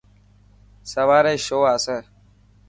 سواري شو آسي.